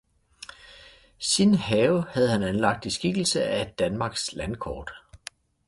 Sin have havde han anlagt i skikkelse af et Danmarks landkort.